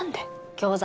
餃子。